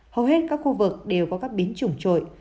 hầu hết các khu vực đều có các biến chủng trội